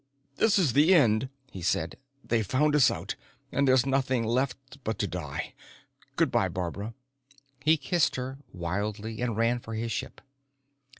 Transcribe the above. "This is the end," he said. "They've found us out, and there's nothing left but to die. Good by, Barbara." He kissed her, wildly, and ran for his ship.